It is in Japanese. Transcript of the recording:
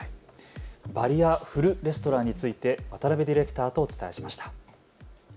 バリアフルレストランについて渡邉ディレクターとお伝えしました。